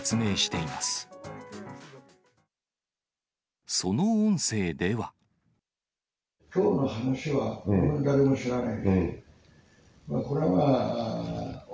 きょうの話は、誰も知らない。